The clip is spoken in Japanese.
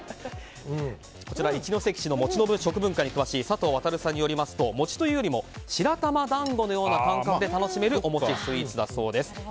一関市の餅の食文化に詳しい佐藤航さんによりますと餅というよりも白玉団子のような感覚で楽しめるお餅スイーツだそうです。